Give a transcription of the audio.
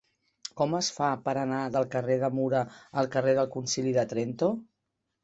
Com es fa per anar del carrer de Mura al carrer del Concili de Trento?